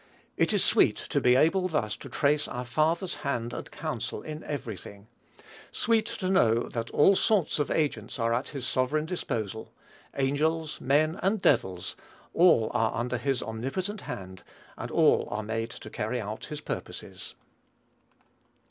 It is sweet to be able thus to trace our Father's hand and counsel in every thing. Sweet to know that all sorts of agents are at his sovereign disposal; angels, men, and devils all are under his omnipotent hand, and all are made to carry out his purposes.